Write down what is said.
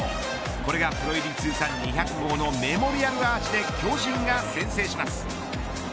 これがプロ入り通算２００号のメモリアルアーチで巨人が先制します。